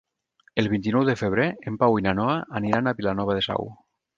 El vint-i-nou de febrer en Pau i na Noa aniran a Vilanova de Sau.